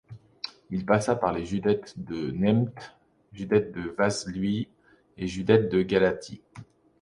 Il passe par les județ de Neamț, județ de Vaslui et județ de Galați.